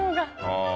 ああ！